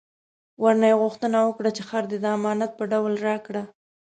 ورنه یې غوښتنه وکړه چې خر دې د امانت په ډول راکړه.